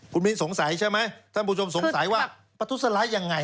คุณมิ้นสงสัยใช่ไหมท่านผู้ชมสงสัยว่าประทุษร้ายยังไง